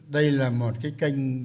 đây là một cái kênh